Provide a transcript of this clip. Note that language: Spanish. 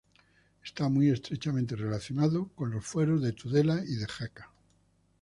Está muy estrechamente relacionado con los Fueros de Tudela y de Jaca.